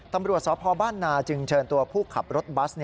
ตำรวจสพบ้านนาจึงเชิญตัวผู้ขับรถบัส